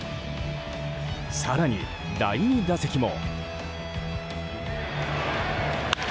更に第２打席も。